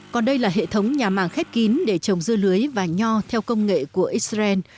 còn đây là hệ thống nhà màng khép kín để trồng dưa lưới và nho theo công nghệ của israel